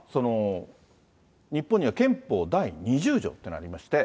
日本には憲法第２０条っていうのがありまして。